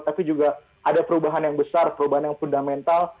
tapi juga ada perubahan yang besar perubahan yang fundamental